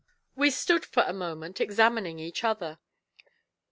We stood for a moment, examining each other.